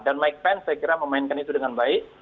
dan mike pence saya kira memainkan itu dengan baik